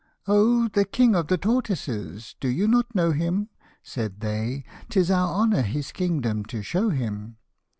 " O, the king of the tortoises! do not you know him? " Said they; "'tis our honour his kingdom to show him."